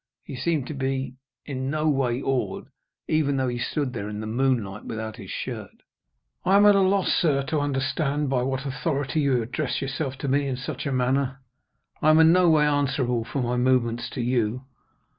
He seemed to be in no way awed, even though he stood there in the moonlight without his shirt. "I am at a loss, sir, to understand by what authority you address yourself to me in such a manner. I am in no way answerable for my movements to you.